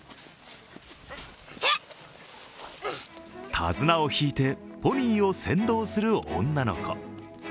手綱を引いてポニーを先導する女の子。